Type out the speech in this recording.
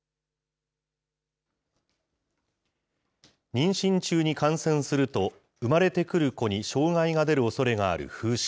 妊娠中に感染すると、生まれてくる子に障害が出るおそれがある風疹。